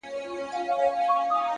• د مرگي راتلو ته ـ بې حده زیار باسه ـ